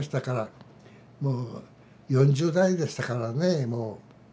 もう４０代でしたからね。